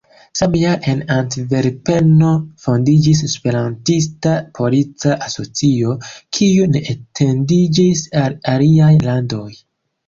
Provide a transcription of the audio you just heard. Samjare en Antverpeno fondiĝis Esperantista Polica Asocio, kiu ne etendiĝis al aliaj landoj.